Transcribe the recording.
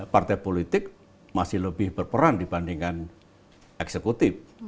partai politik masih lebih berperan dibandingkan eksekutif